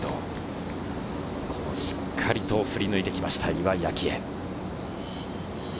しっかりと振り抜いてきました、岩井明愛。